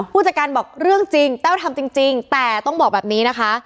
ผู้จัดการบอกเรื่องจริงแต้วทำจริงแต่ต้องบอกแบบนี้นะคะ